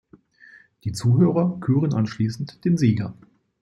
Die Zuhörer küren anschließend den Sieger.